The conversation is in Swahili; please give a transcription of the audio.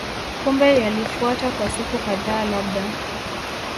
Kumbe yalifuata kwa siku kadhaa labda